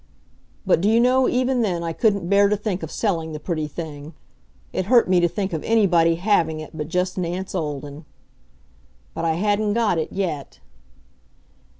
But, do you know, even then I couldn't bear to think of selling the pretty thing? It hurt me to think of anybody having it but just Nance Olden. But I hadn't got it yet.